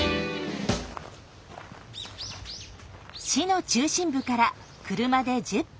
市の中心部から車で１０分。